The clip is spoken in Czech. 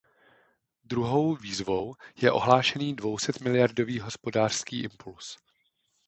Druhou výzvou je ohlášený dvousetmiliardový hospodářský impuls.